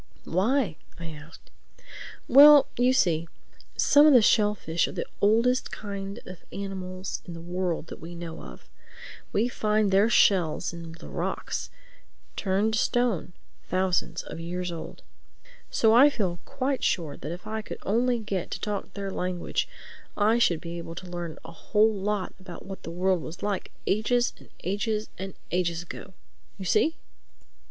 "Why?" I asked. "Well, you see, some of the shellfish are the oldest kind of animals in the world that we know of. We find their shells in the rocks—turned to stone—thousands of years old. So I feel quite sure that if I could only get to talk their language, I should be able to learn a whole lot about what the world was like ages and ages and ages ago. You see?"